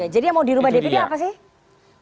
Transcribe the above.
jadi yang mau diubah dpd apa sih